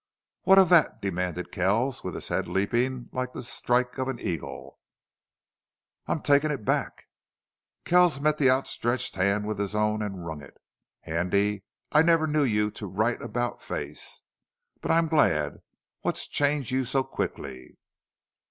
"What of that?" demanded Kells, with his head leaping like the strike of an eagle. "I'm takin' it back!" Kells met the outstretched hand with his own and wrung it. "Handy, I never knew you to right about face. But I'm glad.... What's changed you so quickly?"